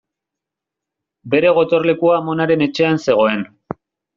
Bere gotorlekua amonaren etxean zegoen.